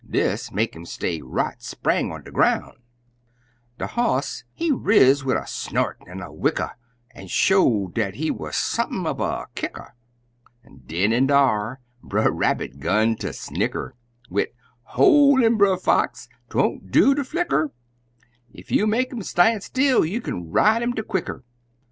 Des make 'im stay right spang on de groun'!" De hoss, he riz wid a snort an' a whicker, An' showed dat he wuz sump'n uv a kicker! An' den an' dar, Brer Rabbit 'gun ter snicker, Wid, "Hol' 'im, Brer Fox! 'twon't do ter flicker! Ef you make 'im stan' still, you kin ride 'im de quicker!"